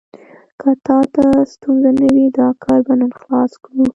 که تا ته ستونزه نه وي، دا کار به نن خلاص کړو.